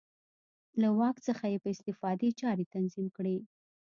له واک څخه یې په استفادې چارې تنظیم کړې.